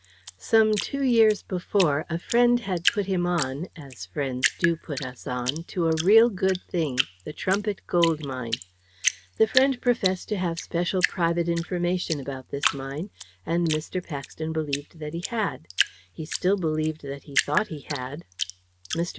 Some two years before a friend had put him on as friends do put us on to a real good thing the Trumpit Gold Mine. The friend professed to have special private information about this mine, and Mr. Paxton believed that he had. He still believed that he thought he had. Mr.